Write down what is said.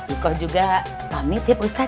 ikoh juga pamit ya pak ustaz